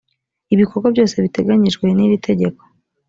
ibikorwa byose biteganyijwe n’iri tegeko